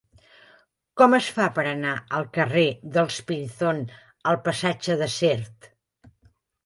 Com es fa per anar del carrer dels Pinzón al passatge de Sert?